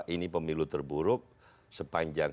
ini pemilu terburuk sepanjang